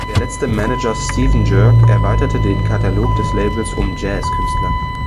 Der letzte Manager Steven Joerg erweiterte den Katalog des Labels um Jazz-Künstler.